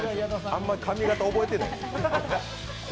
あんまり髪型、覚えてない。